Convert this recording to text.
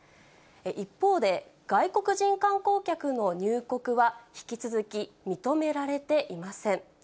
一方で、外国人観光客の入国は、引き続き認められていません。